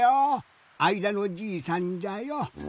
あいだのじいさんじゃよ。